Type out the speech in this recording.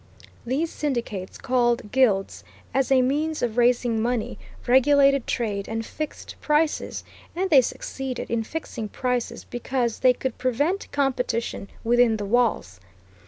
These syndicates, called guilds, as a means of raising money, regulated trade and fixed prices, and they succeeded in fixing prices because they could prevent competition within the walls.